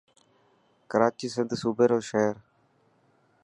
ڪراچي سنڌ صوبي رو شهر.